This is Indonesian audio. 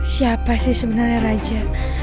siapa sih sebenarnya raja